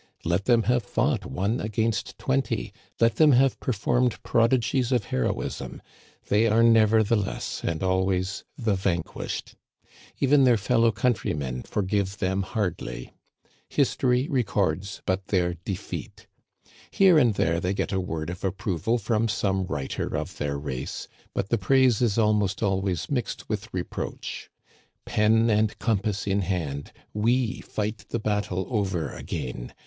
Let them have fought one against twenty, let them have performed prodigies of heroism, they are nevertheless and always the vanquished. Even their fellow countrymen forgive them hardly. History re cords but their defeat. Here and there they get a word of approval from some writer of their race ; but the praise is almost always mixed with reproach. Pen and compass in hand, we fight the battle over again.